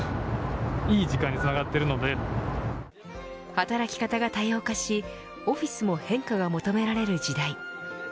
働き方が多様化しオフィスも変化が求められる時代。